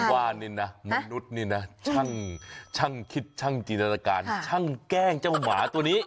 ว่านี่นะมนุษย์นี่นะช่างคิดช่างจินตนาการช่างแกล้งเจ้าหมาตัวนี้